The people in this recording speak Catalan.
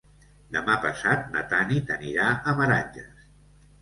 Demà passat na Tanit anirà a Meranges.